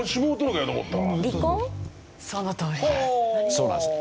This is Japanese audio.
そうなんです。